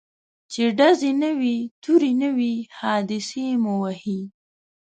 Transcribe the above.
چي ډزي نه وي توری نه وي حادثې مو وهي